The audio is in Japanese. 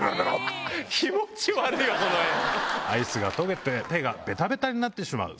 アイスが溶けて手がベタベタになってしまう。